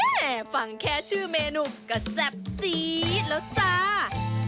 ฟังแค่ชื่อเมนูก็แซ่บซี๊ดแล้วจ้า